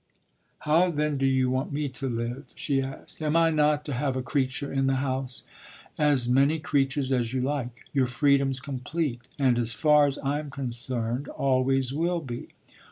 "How then do you want me to live?" she asked. "Am I not to have a creature in the house?" "As many creatures as you like. Your freedom's complete and, as far as I'm concerned, always will be.